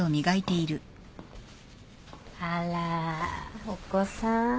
あらお子さん？